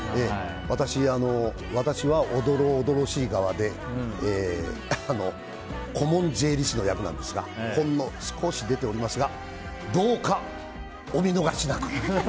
私はおどろおどろしい側で顧問税理士の役なんですがほんの少し出ておりますがどうかお見逃しなく！